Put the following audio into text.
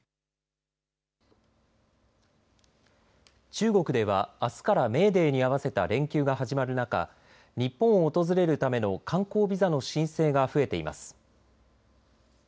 中国では、あすからメーデーに合わせた連休が始まる中日本を訪れるための観光ビザの申請が増えています。